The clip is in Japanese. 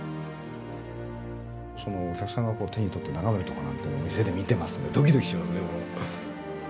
お客さんが手に取って眺めるとこなんて店で見てますとねドキドキしますね。